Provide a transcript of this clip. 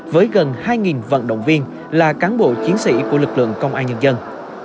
với gần hai vận động viên là cán bộ chiến sĩ của lực lượng công an nhân dân